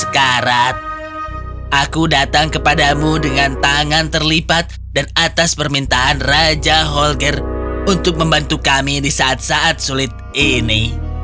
sekarang aku datang kepadamu dengan tangan terlipat dan atas permintaan raja holger untuk membantu kami di saat saat sulit ini